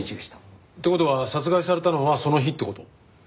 って事は殺害されたのはその日って事？